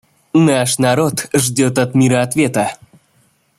Наш народ ждет от мира ответа.